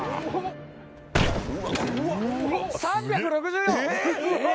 ３６４！